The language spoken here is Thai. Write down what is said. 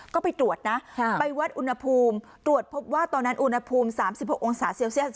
ก็ไปตรวจนะไปวัดอุณหภูมิตรวจพบว่าตอนนั้นอุณหภูมิ๓๖องศาเซลเซียส